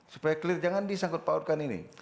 supaya clear jangan disangkut pautkan ini